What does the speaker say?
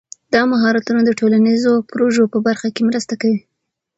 دا مهارتونه د ټولنیزو پروژو په برخه کې مرسته کوي.